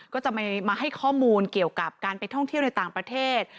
ก็จะมาให้ข้อมูลเกี่ยวกับการไปท่องเที่ยวในต่างประเทศ